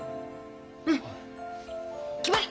うん決まり！